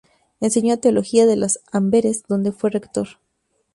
Enseñó teología en la Amberes, donde fue rector.